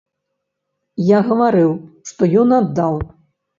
Я гаварыў, што ён аддаў.